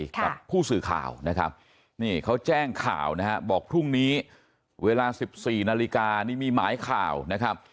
กับผู้สื่อข่าวนะครับนี่เขาแจ้งข่าวนะฮะบอกพรุ่งนี้เวลา๑๔นาฬิกานี่มีหมายข่าวนะครับ